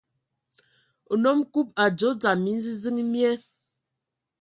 A nnom Kub a adzo dzam minziziŋ mie,